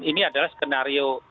ini adalah skenario